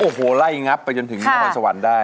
โอ้โหไล่งับไปจนถึงนครสวรรค์ได้